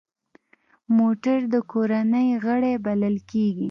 موټر د کورنۍ غړی بلل کېږي.